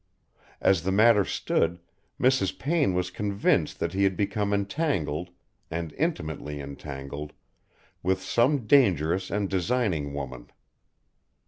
As the matter stood Mrs. Payne was convinced that he had become entangled, and intimately entangled, with some dangerous and designing woman.